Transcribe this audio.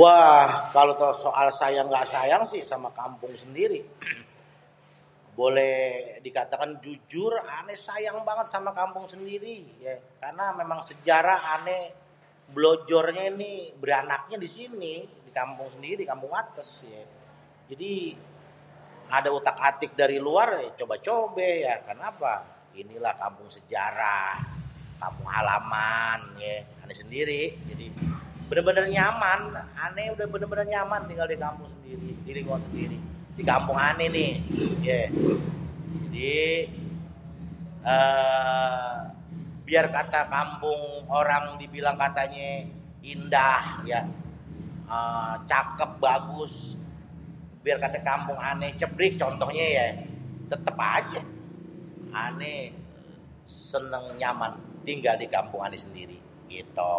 Wah... kalo soal sayang ngga sayang si sama kampung sendiri, boleh dikatakan jujur ané sayang bangêt sama kampung sendiri yé, karena memang sejarah ané mblojornya ni bêranaknya di sini, di kampung sendiri kampung watês yé. Jadi ada utak-atik dari luar aja coba-cobé... karena apa? Ini lah kampung sejarah, kampung halaman yé, ané sendiri. Jadi bênêr-bênêr nyaman. Ané bener-bener nyaman tinggal di kampung sendiri, di lingkungan sendiri, di kampung ané nih yé. Jadi ééé biar kata kampung orang dibilang katanyé indah yak, cakêp, bagus. Biar kata kampung ané cêbrik contohnyé yé, têtêp ajé ané sênéng nyaman tinggal di kampung ané sendiri, gitu.